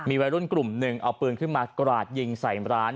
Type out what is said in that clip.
วัยรุ่นกลุ่มหนึ่งเอาปืนขึ้นมากราดยิงใส่ร้าน